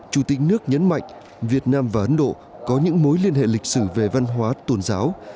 chủ tịch nước nhấn mạnh việt nam và ấn độ có những mối liên hệ lịch sử về văn hóa tôn giáo